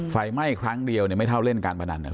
ไฟไหม้ครั้งเดียวเนี่ยไม่เท่าเล่นการพนันเนี่ย